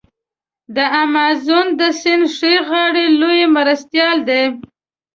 د امازون د سیند ښي غاړی لوی مرستیال دی.